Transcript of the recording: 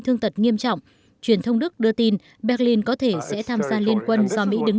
thương tật nghiêm trọng truyền thông đức đưa tin berlin có thể sẽ tham gia liên quân do mỹ đứng